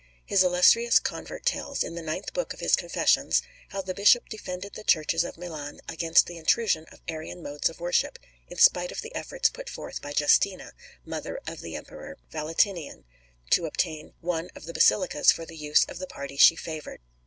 His illustrious convert tells, in the ninth book of his "Confessions," how the bishop defended the churches of Milan against the intrusion of Arian modes of worship, in spite of the efforts put forth by Justina, mother of the Emperor Valentinian, to obtain one of the basilicas for the use of the party she favoured.